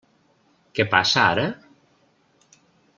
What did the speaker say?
Què passa ara?